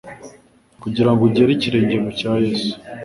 kugira ngo ugere ikirenge mu cya Yesu.